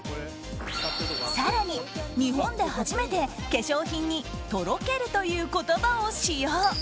更に日本で初めて化粧品にとろけるという言葉を使用。